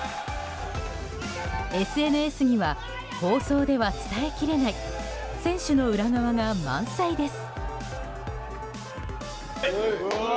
ＳＮＳには放送では伝えきれない選手の裏側が満載です。